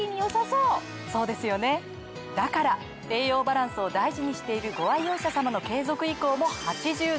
そうですよねだから栄養バランスを大事にしているご愛用者様の継続意向も８７％！